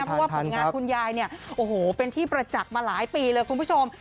เพราะว่าผลงานคุณยายเนี่ยโอ้โหเป็นที่ประจักษ์มาหลายปีเลยคุณผู้ชม